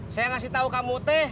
saya ngasih tahu kamu teh